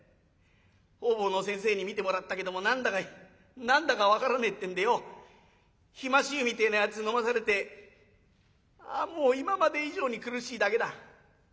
方々の先生に診てもらったけども何だか分からねえってんでよひまし油みてえなやつのまされて今まで以上に苦しいだけだ。